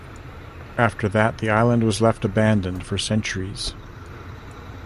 After that, the island was left abandoned for centuries.